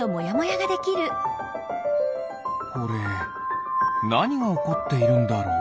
これなにがおこっているんだろう？